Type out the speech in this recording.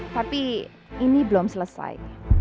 tapi ini belum selesai